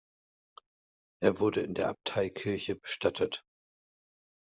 Er wurde in der Abteikirche bestattet.